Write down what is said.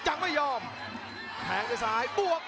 หัวจิตหัวใจแก่เกินร้อยครับ